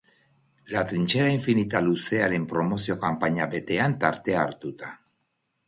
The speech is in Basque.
La trinchera infinita luzearen promozio kanpaina betean tartea hartuta.